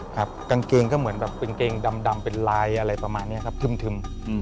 กางเกงก็เหมือนแบบกางเกงดำเป็นลายอะไรประมาณนี้ครับทึม